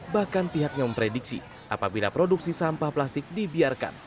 bahkan pihaknya memprediksi apabila produksi sampah plastik dibiarkan